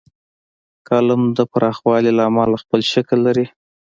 کالم د پراخوالي له امله خپل شکل لري.